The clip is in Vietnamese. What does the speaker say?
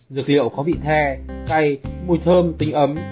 dược liệu có vị the hay mùi thơm tính ấm